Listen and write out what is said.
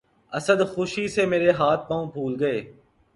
اسد! خوشی سے مرے ہاتھ پاؤں پُھول گئے